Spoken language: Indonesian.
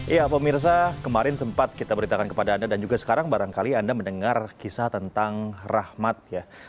ya pemirsa kemarin sempat kita beritakan kepada anda dan juga sekarang barangkali anda mendengar kisah tentang rahmat ya